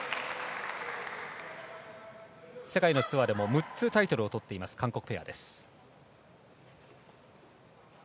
世界のツアーでも６つタイトルを持っている韓国ペアです。